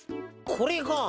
これが？